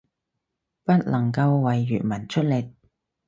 不能夠為粵文出力